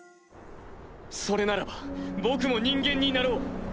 それならば僕も人間になろう。